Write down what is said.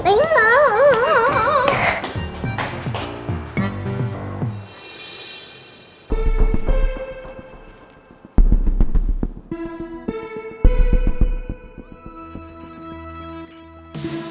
makanya dilaporkan lalunya gitu